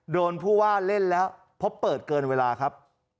ผู้ว่าเล่นแล้วเพราะเปิดเกินเวลาครับ